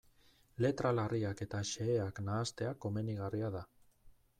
Letra larriak eta xeheak nahastea komenigarria da.